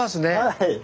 はい。